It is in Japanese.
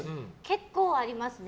結構ありますね。